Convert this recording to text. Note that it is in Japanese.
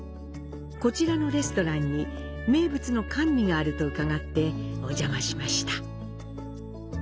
こちらのレストランに名物の甘味があるとうかがってお邪魔しました。